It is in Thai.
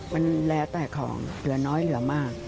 มันแล้วแต่ของเหลือน้อยเหลือมาก